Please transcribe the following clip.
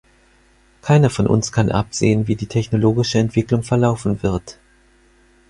Keiner von uns kann absehen, wie die technologische Entwicklung verlaufen wird.